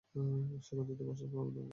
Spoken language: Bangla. সেই গদিতে বসার পর অভিনন্দন জানাবি।